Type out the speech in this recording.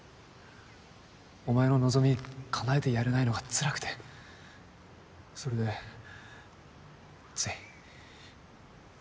お前の望みかなえてやれないのがつらくてそれでつい